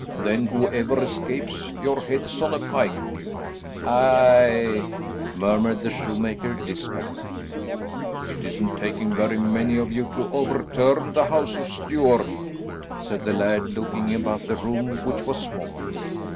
Then whoever escapes, your head's on a pike." "Aye," murmured the shoemaker dismally. "It isn't taking very many of you to overturn the House of Stuart," said the laird, looking about the room, which was small.